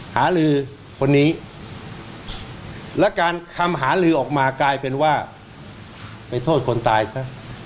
หาลือคนนี้และการคำหาลือออกมากลายเป็นว่าไปโทษคนตายซะ